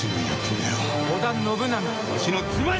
［織田信長］